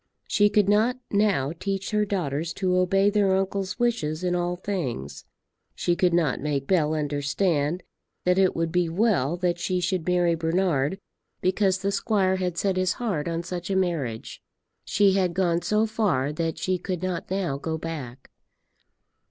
She could not now teach her daughters to obey their uncle's wishes in all things. She could not make Bell understand that it would be well that she should marry Bernard because the squire had set his heart on such a marriage. She had gone so far that she could not now go back.